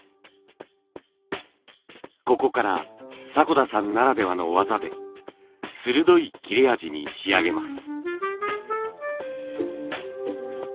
ここから迫田さんならではの技で鋭い切れ味に仕上げます。